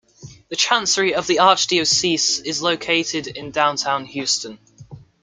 The chancery of the archdiocese is located in Downtown Houston.